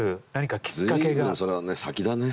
随分それはね先だね。